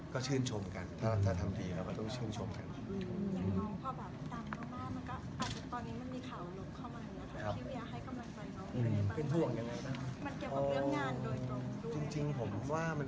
ก็ชื่นชมกันถ้าทำดีเราก็ต้องชื่นชมกัน